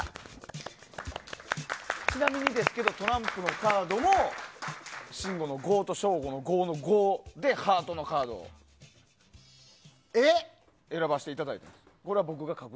ちなみにですけどトランプのカードも信五の５と省吾の５でハートの５のカードを選ばせていただいたんです。